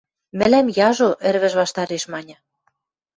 — Мӹлӓм яжо, — ӹрвӹж ваштареш маньы.